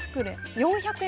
４００円。